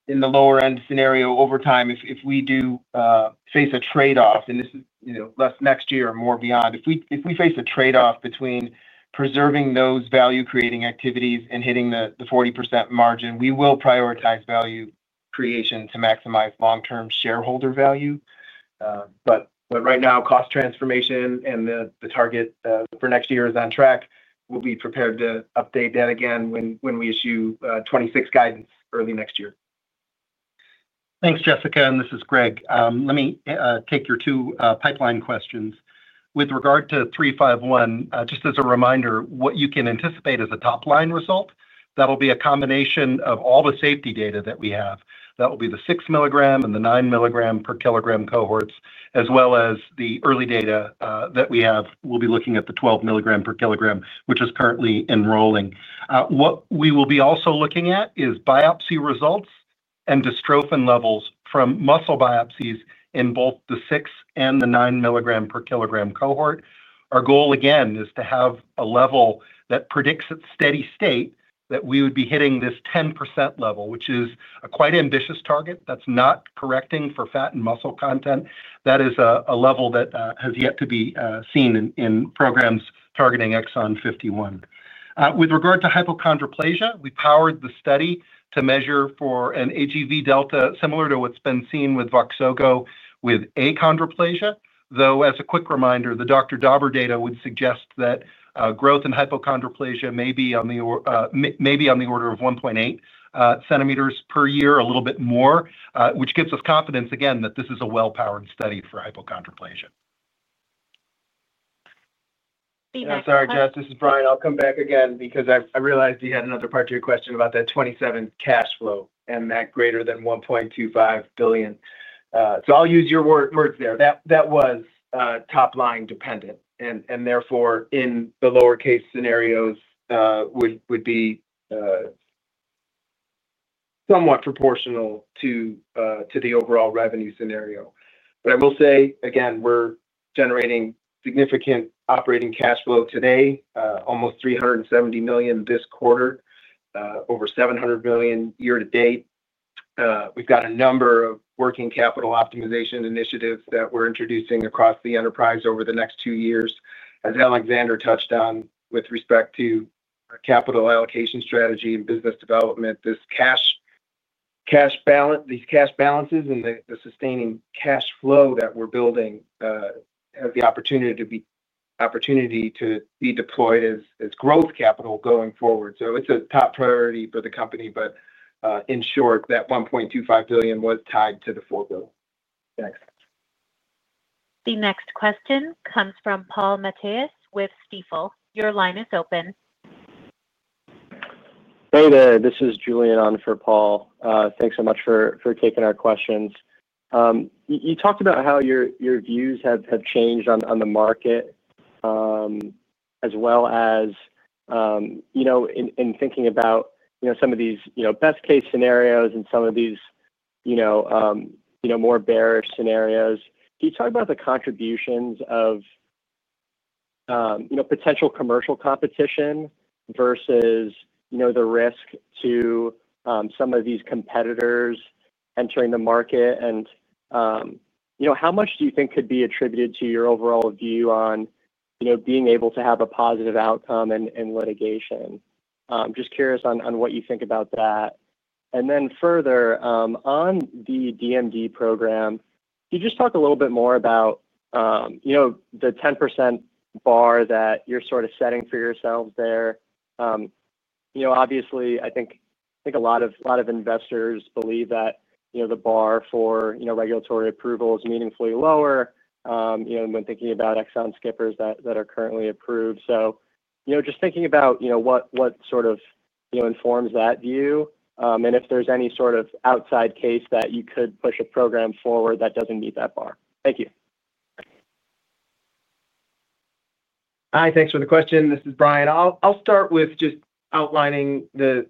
in the lower-end scenario, over time, if we do face a trade-off, and this is less next year or more beyond, if we face a trade-off between preserving those value-creating activities and hitting the 40% margin, we will prioritize value creation to maximize long-term shareholder value. Right now, cost transformation and the target for next year is on track. We'll be prepared to update that again when we issue 2026 guidance early next year. Thanks, Jessica. This is Greg. Let me take your two pipeline questions. With regard to 351, just as a reminder, what you can anticipate as a top-line result will be a combination of all the safety data that we have. That will be the 6 mg and the 9 mg per kilogram cohorts, as well as the early data that we have. We'll be looking at the 12 mg per kilogram, which is currently enrolling. We will also be looking at biopsy results and dystrophin levels from muscle biopsies in both the 6 mg and the 9 mg per kilogram cohort. Our goal, again, is to have a level that predicts its steady state, that we would be hitting this 10% level, which is a quite ambitious target. That's not correcting for fat and muscle content. That is a level that has yet to be seen in programs targeting Exon 51. With regard to hypochondroplasia, we powered the study to measure for an AGV delta similar to what's been seen with VOXZOGO with achondroplasia, though, as a quick reminder, the Dr. Dauber data would suggest that growth in hypochondroplasia may be on the order of 1.8 cm per year, a little bit more, which gives us confidence, again, that this is a well-powered study for hypochondroplasia. Sorry, Jess. This is Brian. I'll come back again because I realized you had another part to your question about that 2027 cash flow and that greater than $1.25 billion. I'll use your words there. That was top-line dependent, and therefore, in the lower case scenarios, would be somewhat proportional to the overall revenue scenario. I will say, again, we're generating significant operating cash flow today, almost $370 million this quarter, over $700 million year to date. We've got a number of working capital optimization initiatives that we're introducing across the enterprise over the next two years. As Alexander touched on, with respect to our capital allocation strategy and business development, these cash balances and the sustaining cash flow that we're building have the opportunity to be deployed as growth capital going forward. It's a top priority for the company. In short, that $1.25 billion was tied to the fourth bill. Thanks. The next question comes from Paul Matteis with Stifel. Your line is open. Hey, there. This is Julian on for Paul. Thanks so much for taking our questions. You talked about how your views have changed on the market, as well as, you know, in thinking about some of these best-case scenarios and some of these, you know, more bearish scenarios. Can you talk about the contributions of potential commercial competition versus the risk to some of these competitors entering the market? How much do you think could be attributed to your overall view on being able to have a positive outcome in litigation? I'm just curious on what you think about that. Further, on the DMD program, can you just talk a little bit more about the 10% bar that you're sort of setting for yourselves there? Obviously, I think a lot of investors believe that the bar for regulatory approval is meaningfully lower when thinking about Exon skippers that are currently approved. Just thinking about what sort of informs that view and if there's any sort of outside case that you could push a program forward that doesn't meet that bar. Thank you. Hi. Thanks for the question. This is Brian. I'll start with just outlining those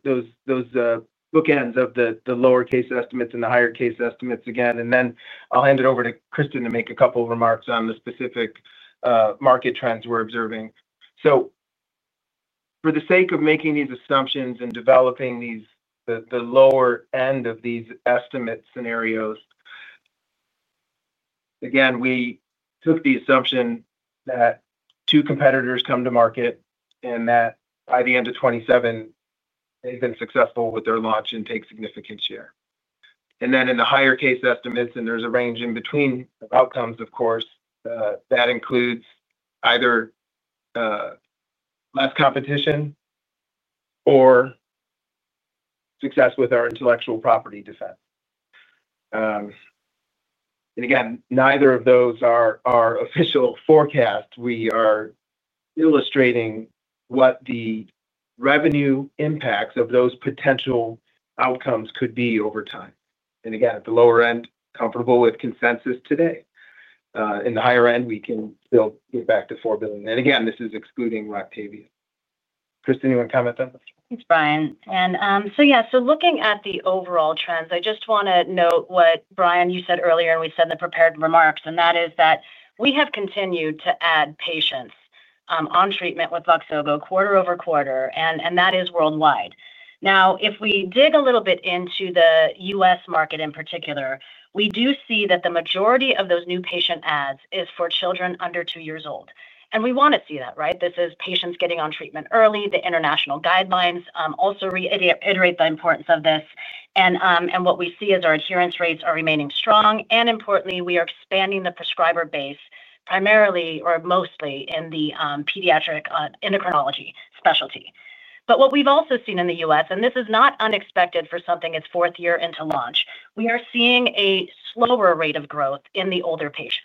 bookends of the lower case estimates and the higher case estimates again, and then I'll hand it over to Cristin to make a couple of remarks on the specific market trends we're observing. For the sake of making these assumptions and developing the lower end of these estimate scenarios, we took the assumption that two competitors come to market and that by the end of 2027, they've been successful with their launch and take significant share. In the higher case estimates, and there's a range in between outcomes, of course, that includes either less competition or success with our intellectual property defense. Neither of those are our official forecasts. We are illustrating what the revenue impacts of those potential outcomes could be over time. At the lower end, comfortable with consensus today. In the higher end, we can still get back to $4 billion. This is excluding ROCTAVIAN. Cristin, you want to comment then? Thanks, Brian. Looking at the overall trends, I just want to note what Brian, you said earlier and we said in the prepared remarks, and that is that we have continued to add patients on treatment with VOXZOGO quarter over quarter, and that is worldwide. If we dig a little bit into the U.S. market in particular, we do see that the majority of those new patient adds is for children under two years old. We want to see that, right? This is patients getting on treatment early. The international guidelines also reiterate the importance of this. What we see is our adherence rates are remaining strong. Importantly, we are expanding the prescriber base, primarily or mostly in the pediatric endocrinology specialty. What we've also seen in the U.S., and this is not unexpected for something its fourth year into launch, we are seeing a slower rate of growth in the older patients.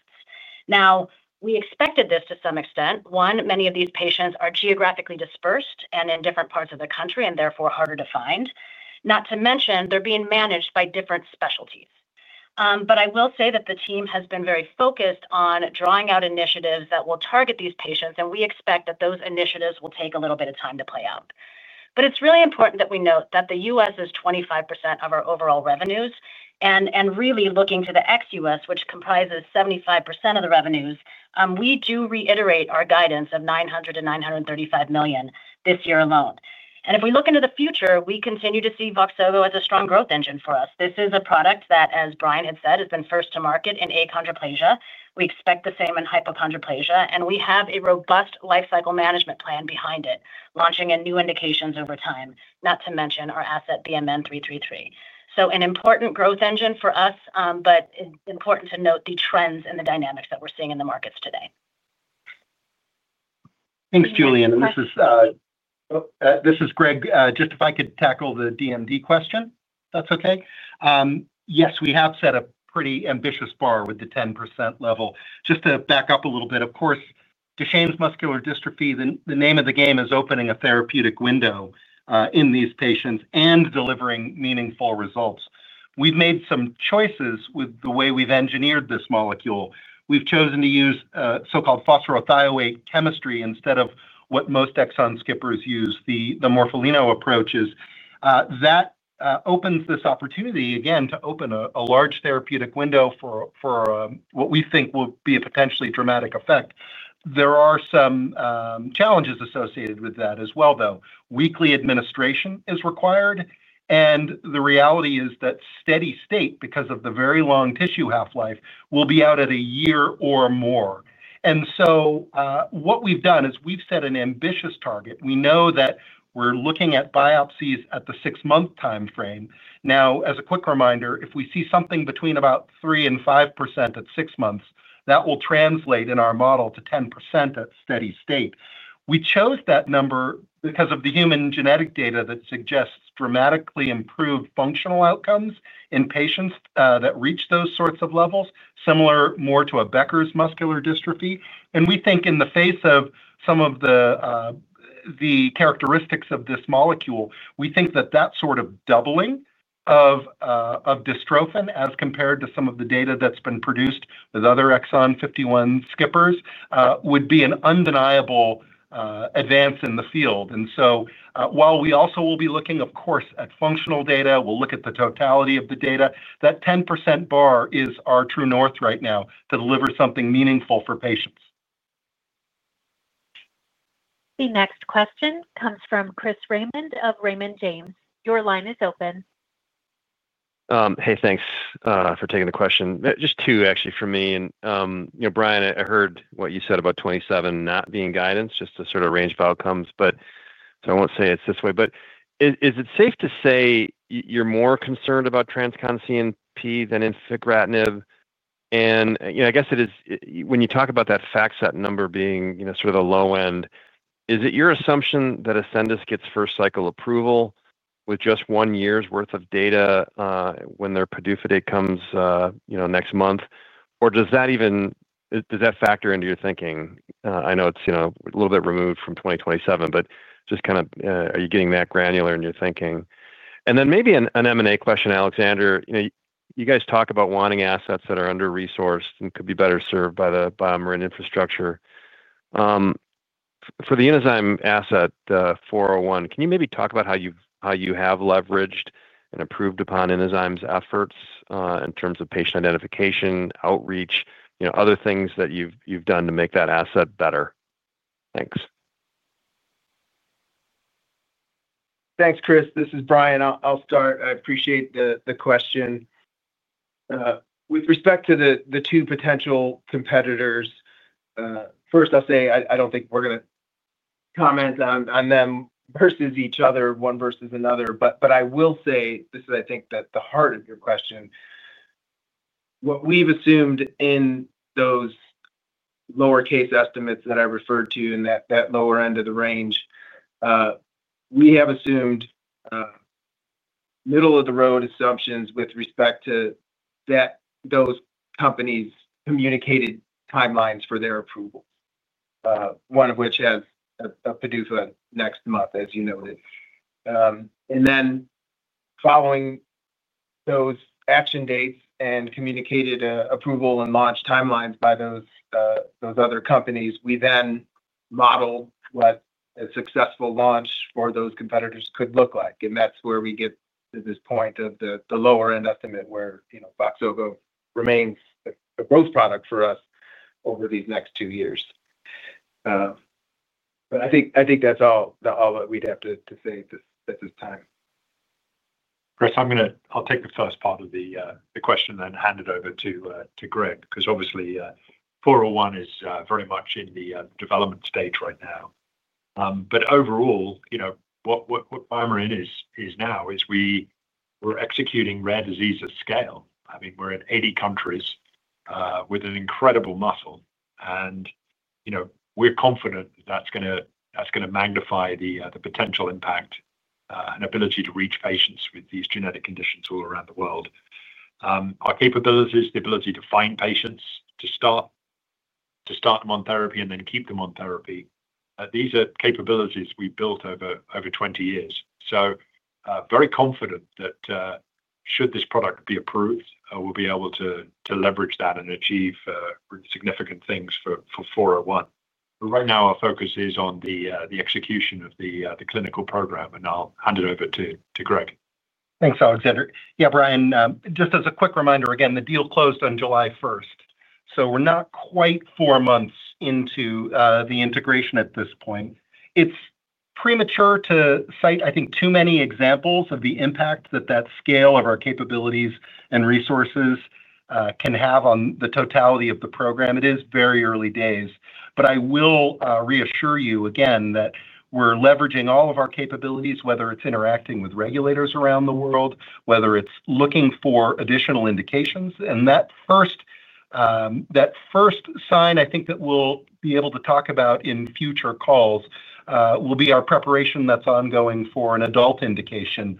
We expected this to some extent. One, many of these patients are geographically dispersed and in different parts of the country and therefore harder to find, not to mention they're being managed by different specialties. I will say that the team has been very focused on drawing out initiatives that will target these patients, and we expect that those initiatives will take a little bit of time to play out. It's really important that we note that the U.S. is 25% of our overall revenues. Really looking to the ex-U.S., which comprises 75% of the revenues, we do reiterate our guidance of $900 million-$935 million this year alone. If we look into the future, we continue to see VOXZOGO as a strong growth engine for us. This is a product that, as Brian had said, has been first to market in achondroplasia. We expect the same in hypochondroplasia, and we have a robust lifecycle management plan behind it, launching in new indications over time, not to mention our asset BMN-333. An important growth engine for us, but it's important to note the trends and the dynamics that we're seeing in the markets today. Thanks, Julian. This is Greg. If I could tackle the DMD question, if that's okay. We have set a pretty ambitious bar with the 10% level. Just to back up a little bit, of course, Duchenne's muscular dystrophy, the name of the game is opening a therapeutic window in these patients and delivering meaningful results. We've made some choices with the way we've engineered this molecule. We've chosen to use so-called phosphorothioate chemistry instead of what most Exon skippers use, the morpholino approaches. That opens this opportunity again to open a large therapeutic window for what we think will be a potentially dramatic effect. There are some challenges associated with that as well, though. Weekly administration is required, and the reality is that steady state, because of the very long tissue half-life, will be out at a year or more. What we've done is we've set an ambitious target. We know that we're looking at biopsies at the six-month time frame. As a quick reminder, if we see something between about 3% and 5% at six months, that will translate in our model to 10% at steady state. We chose that number because of the human genetic data that suggests dramatically improved functional outcomes in patients that reach those sorts of levels, similar more to a Becker's muscular dystrophy. We think in the face of some of the characteristics of this molecule, we think that that sort of doubling of dystrophin as compared to some of the data that's been produced with other Exon 51 skippers would be an undeniable advance in the field. While we also will be looking, of course, at functional data, we'll look at the totality of the data. That 10% bar is our true north right now to deliver something meaningful for patients. The next question comes from Chris Raymond of Raymond James. Your line is open. Hey, thanks for taking the question. Just two, actually, for me. Brian, I heard what you said about 2027 not being guidance, just a sort of range of outcomes. I won't say it's this way. Is it safe to say you're more concerned about trans-con-CNP than infigratinib? I guess it is when you talk about that FactSet number being sort of the low end. Is it your assumption that Ascendis gets first cycle approval with just one year's worth of data when their PDUFA date comes next month? Does that factor into your thinking? I know it's a little bit removed from 2027, but are you getting that granular in your thinking? Maybe an M&A question, Alexander. You guys talk about wanting assets that are under-resourced and could be better served by the BioMarin infrastructure. For the Enzyme Asset 401, can you talk about how you have leveraged and improved upon Enzyme's efforts in terms of patient identification, outreach, and other things that you've done to make that asset better? Thanks. Thanks, Chris. This is Brian. I'll start. I appreciate the question. With respect to the two potential competitors, first, I'll say I don't think we're going to comment on them versus each other, one versus another. I will say this is, I think, the heart of your question. What we've assumed in those lower case estimates that I referred to in that lower end of the range, we have assumed middle-of-the-road assumptions with respect to those companies' communicated timelines for their approvals, one of which has a PDUFA next month, as you noted. Following those action dates and communicated approval and launch timelines by those other companies, we then modeled what a successful launch for those competitors could look like. That's where we get to this point of the lower-end estimate where VOXZOGO remains a growth product for us over these next two years. I think that's all that we'd have to say at this time. Chris, I'm going to take the first part of the question and hand it over to Greg because obviously, 401 is very much in the development stage right now. Overall, you know, what BioMarin is now is we're executing rare disease at scale. I mean, we're in 80 countries with an incredible muscle, and you know, we're confident that that's going to magnify the potential impact and ability to reach patients with these genetic conditions all around the world. Our capability is the ability to find patients, to start them on therapy, and then keep them on therapy. These are capabilities we've built over 20 years. Very confident that should this product be approved, we'll be able to leverage that and achieve significant things for 401. Right now, our focus is on the execution of the clinical program, and I'll hand it over to Greg. Thanks, Alexander. Yeah, Brian, just as a quick reminder, again, the deal closed on July 1. We're not quite four months into the integration at this point. It's premature to cite, I think, too many examples of the impact that that scale of our capabilities and resources can have on the totality of the program. It is very early days. I will reassure you again that we're leveraging all of our capabilities, whether it's interacting with regulators around the world or looking for additional indications. That first sign, I think, that we'll be able to talk about in future calls will be our preparation that's ongoing for an adult indication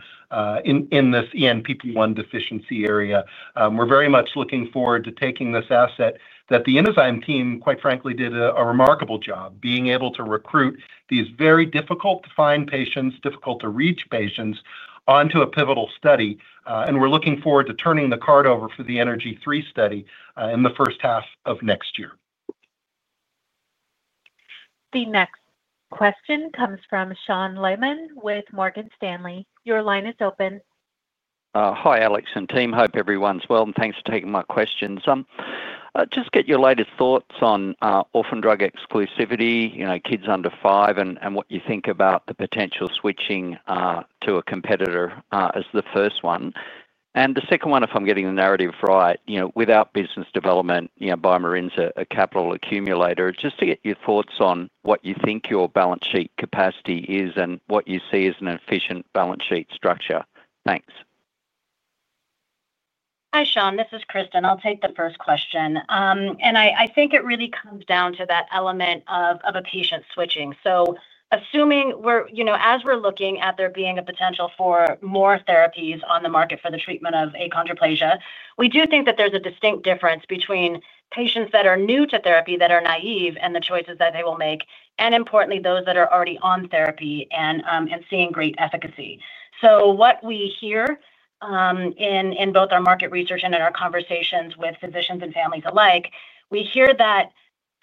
in this ENPP1 deficiency area. We're very much looking forward to taking this asset that the Enzyme Pharma team, quite frankly, did a remarkable job being able to recruit these very difficult-to-find patients, difficult-to-reach patients onto a pivotal study. We're looking forward to turning the card over for the ENERGY3 study in the first half of next year. The next question comes from Sean Lehmann with Morgan Stanley. Your line is open. Hi, Alex and team. Hope everyone's well and thanks for taking my questions. Just get your latest thoughts on orphan drug exclusivity, you know, kids under five, and what you think about the potential switching to a competitor as the first one. The second one, if I'm getting the narrative right, you know, without business development, BioMarin's a capital accumulator. Just to get your thoughts on what you think your balance sheet capacity is and what you see as an efficient balance sheet structure. Thanks. Hi, Sean. This is Cristin. I'll take the first question. I think it really comes down to that element of a patient switching. Assuming we're, you know, as we're looking at there being a potential for more therapies on the market for the treatment of achondroplasia, we do think that there's a distinct difference between patients that are new to therapy that are naive and the choices that they will make, and importantly, those that are already on therapy and seeing great efficacy. What we hear in both our market research and in our conversations with physicians and families alike, we hear that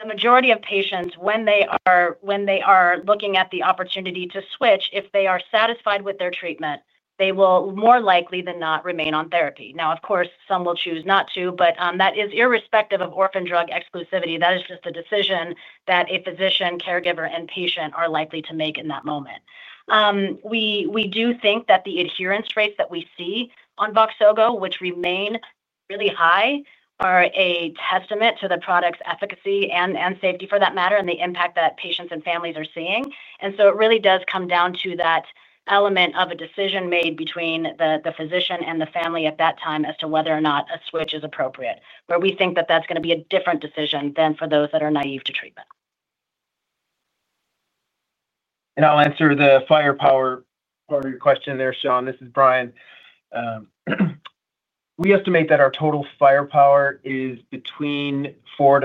the majority of patients, when they are looking at the opportunity to switch, if they are satisfied with their treatment, they will more likely than not remain on therapy. Of course, some will choose not to, but that is irrespective of orphan drug exclusivity. That is just a decision that a physician, caregiver, and patient are likely to make in that moment. We do think that the adherence rates that we see on VOXZOGO, which remain really high, are a testament to the product's efficacy and safety, for that matter, and the impact that patients and families are seeing. It really does come down to that element of a decision made between the physician and the family at that time as to whether or not a switch is appropriate, where we think that that's going to be a different decision than for those that are naive to treatment. I'll answer the firepower part of your question there, Sean. This is Brian. We estimate that our total firepower is between $4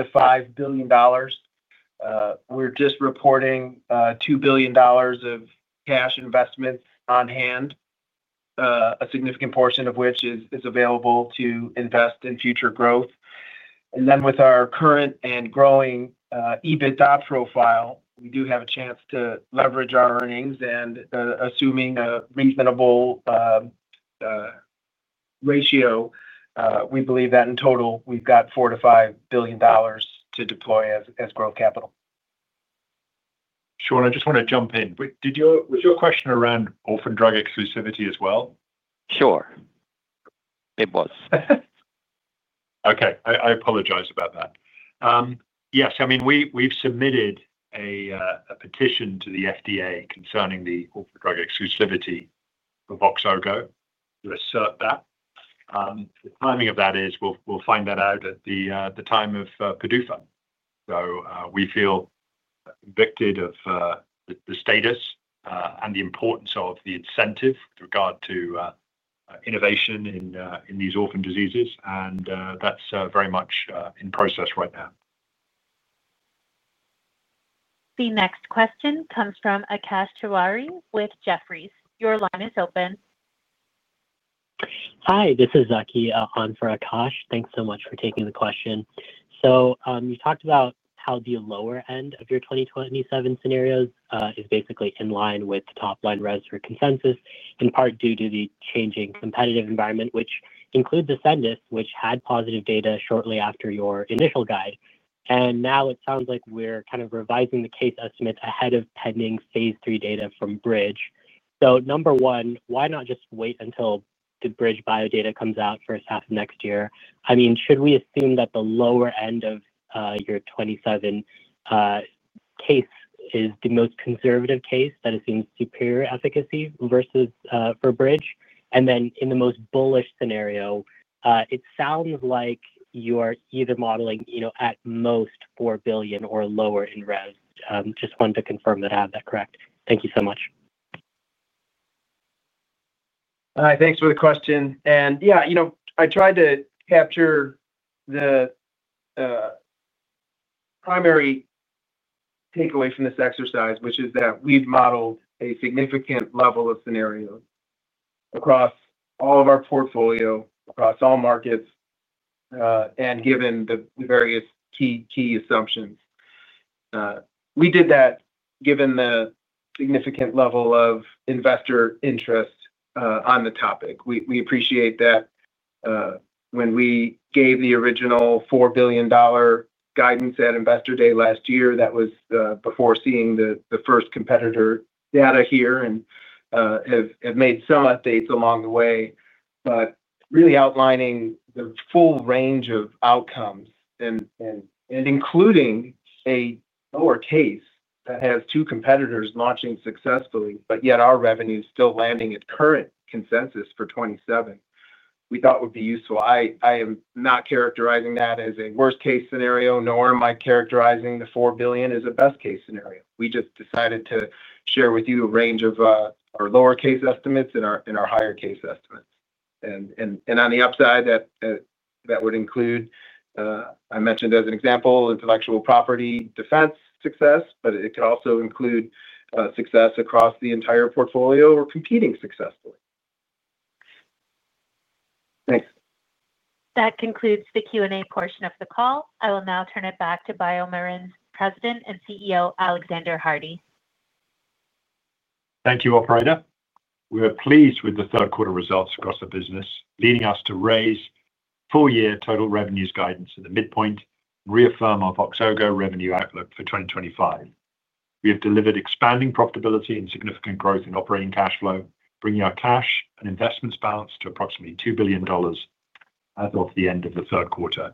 billion-$5 billion. We're just reporting $2 billion of cash investments on hand, a significant portion of which is available to invest in future growth. With our current and growing EBITDA profile, we do have a chance to leverage our earnings. Assuming a reasonable ratio, we believe that in total, we've got $4 billion-$5 billion to deploy as growth capital. Sean, I just want to jump in. Was your question around orphan drug exclusivity as well? Sure, it was. Okay. I apologize about that. Yes, I mean, we've submitted a petition to the FDA concerning the orphan drug exclusivity for VOXZOGO to assert that. The timing of that is we'll find that out at the time of PDUFA. We feel convicted of the status and the importance of the incentive with regard to innovation in these orphan diseases, and that's very much in process right now. The next question comes from Akash Tewari with Jefferies. Your line is open. Hi. This is Zaki on for Akash. Thanks so much for taking the question. You talked about how the lower end of your 2027 scenarios is basically in line with the top-line res for consensus, in part due to the changing competitive environment, which includes Ascendis, which had positive data shortly after your initial guide. It sounds like we're kind of revising the case estimates ahead of pending phase III data from BridgeBio. Number one, why not just wait until the BridgeBio data comes out first half of next year? I mean, should we assume that the lower end of your 2027 case is the most conservative case that is seeing superior efficacy versus for BridgeBio? In the most bullish scenario, it sounds like you are either modeling, you know, at most $4 billion or lower in res. Just wanted to confirm that I have that correct. Thank you so much. Hi. Thanks for the question. I tried to capture the primary takeaway from this exercise, which is that we've modeled a significant level of scenarios across all of our portfolio, across all markets, and given the various key assumptions. We did that given the significant level of investor interest on the topic. We appreciate that when we gave the original $4 billion guidance at Investor Day last year, that was before seeing the first competitor data here, and have made some updates along the way. Really outlining the full range of outcomes and including a lower case that has two competitors launching successfully, yet our revenue is still landing at current consensus for 2027, we thought would be useful. I am not characterizing that as a worst-case scenario, nor am I characterizing the $4 billion as a best-case scenario. We just decided to share with you a range of our lower case estimates and our higher case estimates. On the upside, that would include, I mentioned as an example, intellectual property defense success, but it could also include success across the entire portfolio or competing successfully. Thanks. That concludes the Q&A portion of the call. I will now turn it back to BioMarin's President and CEO, Alexander Hardy. Thank you all, Priya. We are pleased with the third quarter results across the business, leading us to raise full-year total revenues guidance at the midpoint and reaffirm our VOXZOGO revenue outlook for 2025. We have delivered expanding profitability and significant growth in operating cash flow, bringing our cash and investments balance to approximately $2 billion as of the end of the third quarter.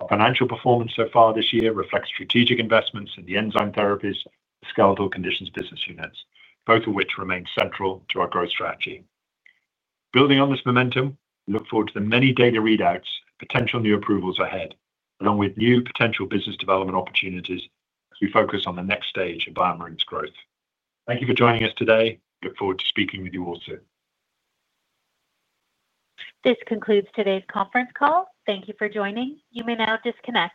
Our financial performance so far this year reflects strategic investments in the enzyme therapies and skeletal conditions business units, both of which remain central to our growth strategy. Building on this momentum, we look forward to the many data readouts and potential new approvals ahead, along with new potential business development opportunities as we focus on the next stage of BioMarin's growth. Thank you for joining us today. We look forward to speaking with you all soon. This concludes today's conference call. Thank you for joining. You may now disconnect.